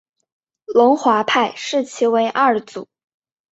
龙华派视其为二祖。